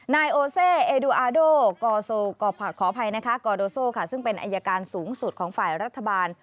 นายโอเซเอดูาโดกอโดโซซึ่งเป็นอายการสูงสุดของฝ่ายรัฐบาล